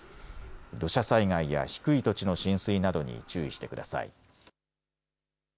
土砂災害や低い土地の浸水などに注意してください。